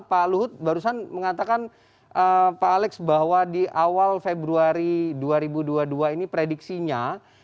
pak luhut barusan mengatakan pak alex bahwa di awal februari dua ribu dua puluh dua ini prediksinya